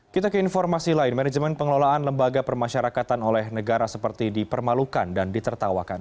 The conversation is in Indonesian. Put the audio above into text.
kita ke informasi lain manajemen pengelolaan lembaga permasyarakatan oleh negara seperti dipermalukan dan ditertawakan